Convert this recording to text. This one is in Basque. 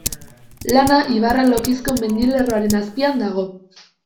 Lana ibarra Lokizko mendilerroaren azpian dago.